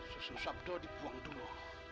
susu sabdo dibuang dulu